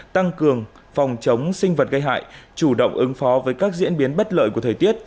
tăng cường phòng chống sinh vật gây hại chủ động ứng phó với các diễn biến bất lợi của thời tiết